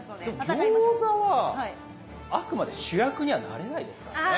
でも餃子はあくまで主役にはなれないですからね。